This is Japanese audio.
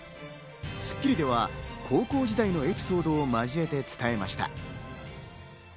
『スッキリ』では高校時代のエピソードを交えて伝えました。